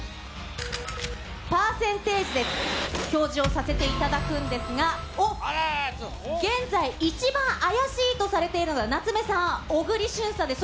パーセンテージで表示をさせていただくんですが、おっ、現在、一番怪しいとされているのは夏目さん、小栗旬さんです。